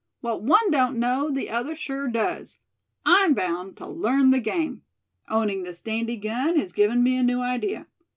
What one don't know, the other sure does. I'm bound to learn the game. Owning this dandy gun has given me a new idea.